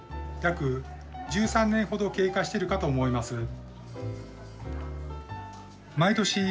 約１３年ほど経過してるかと思います。